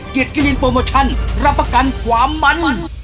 กินกะลินโปรโมชั่นรับประกันความมัน